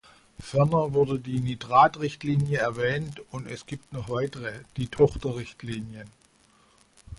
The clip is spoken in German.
Ferner wurde die Nitratrichtlinie erwähnt, und es gibt noch weitere – die Tochterrichtlinien.